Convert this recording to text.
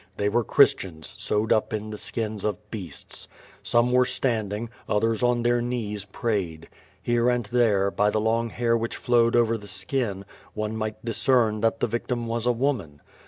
They were Christians sewed up in skins of beastt. Some were standing, others on their knees prayed. Hereknd there, by the long hair which flowed over the skin, one might discern that the victim was a woman.